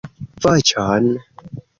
.... voĉon.